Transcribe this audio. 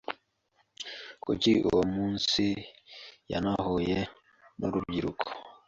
Kuri uwo munsi yanahuye n’urubyiruko